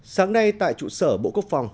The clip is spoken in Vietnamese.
sáng nay tại trụ sở bộ quốc phòng